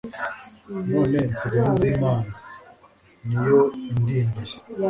none nsigaye nzi imana; niyo indindiye